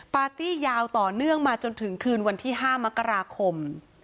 ปาร์ตี้ยาวต่อเนื่องมาจนถึงคืนวันที่๕มกราคม